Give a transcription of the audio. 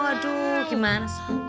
aduh gimana sih